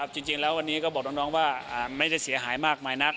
จริงแล้ววันนี้ก็บอกน้องว่าไม่ได้เสียหายมากมายนัก